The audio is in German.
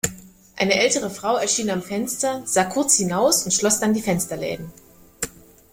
Eine ältere Frau erschien am Fenster, sah kurz hinaus und schloss dann die Fensterläden.